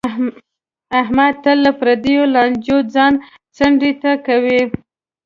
احمد تل له پردیو لانجو ځان څنډې ته کوي.